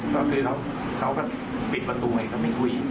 ก็คือแล้วเขาก็ปิดประตูไงเขาไม่คุย